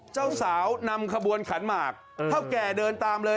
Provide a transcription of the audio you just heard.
เจ้าสาวนำขบวนขันหมากเท่าแก่เดินตามเลย